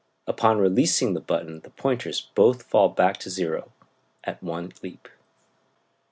Upon releasing the button the pointers both fall back to zero at one leap.